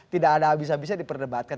tidak ada abis abisnya diperdebatkan